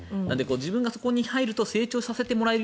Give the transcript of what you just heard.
自分がそこに入ると成長させてもらえるよ